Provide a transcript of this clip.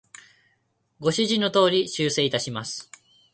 ご指示の通り、修正いたします。